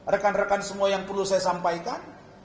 rekan rekan semua yang perlu saya sampaikan